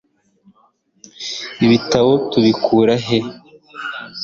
ibitabo tubikura he